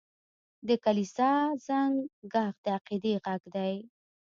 د کلیسا زنګ ږغ د عقیدې غږ دی.